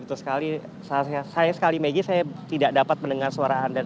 betul sekali sayang sekali maggie saya tidak dapat mendengar suara anda